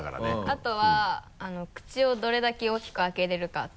あとは口をどれだけ大きく開けれるかっていう。